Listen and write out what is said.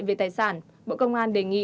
về tài sản bộ công an đề nghị